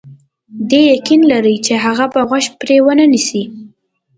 دی یقین لري چې هغه به غوږ پرې ونه نیسي.